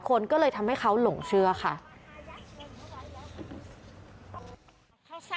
คุณประสิทธิ์ทราบรึเปล่าคะว่า